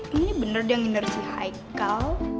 ini bener dia yang ngindersi haikal